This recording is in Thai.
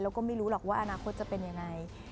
แล้วก็ไม่รู้หรอกว่าอนาคตจะเป็นยังไง